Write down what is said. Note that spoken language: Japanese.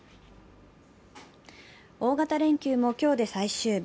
大型連休も今日で最終日。